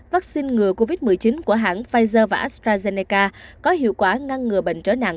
vaccine ngừa covid một mươi chín của hãng pfizer và astrazeneca có hiệu quả ngăn ngừa bệnh trở nặng